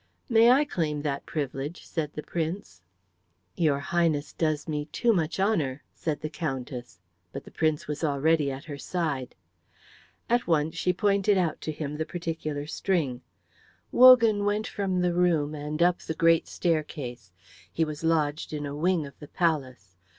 "May I claim that privilege?" said the Prince. "Your Highness does me too much honour," said the Countess, but the Prince was already at her side. At once she pointed out to him the particular string. Wogan went from the room and up the great staircase. He was lodged in a wing of the palace.